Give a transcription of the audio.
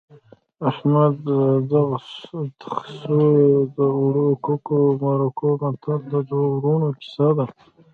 احمد د خسو د اوړو ککو د مرکو متل د دوو ورونو کیسه ده